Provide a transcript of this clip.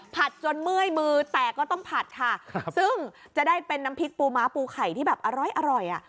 จนเมื่อยมือแตกก็ต้องผัดค่ะครับซึ่งจะได้เป็นน้ำพริกปูม้าปูไข่ที่แบบอร่อยอ่ะ